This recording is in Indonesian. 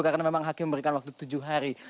karena memang hakim memberikan waktu tujuh hari